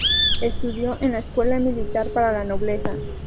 Estudió en la escuela militar para la nobleza.